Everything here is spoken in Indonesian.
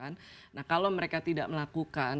nah kalau mereka tidak melakukan